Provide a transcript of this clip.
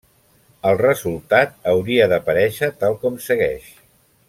El resultat hauria d'aparèixer tal com segueix.